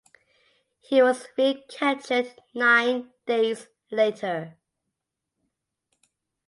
He was recaptured nine days later.